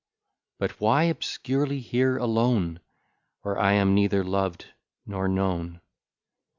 But why obscurely here alone, Where I am neither loved nor known?